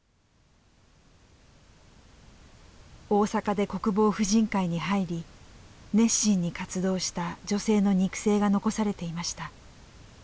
大阪で国防婦人会に入り熱心に活動した女性の肉声が残されていました。